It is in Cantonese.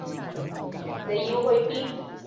你要去邊？